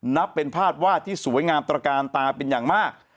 นับเป็นภาพวาดที่สวยงามตระกาลตาเป็นอย่างมาก